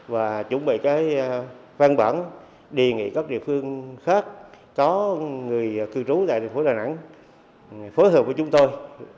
và chuẩn bị cái văn bản đề nghị các địa phương khác có người cư trú tại thành phố đà nẵng phối hợp với chúng tôi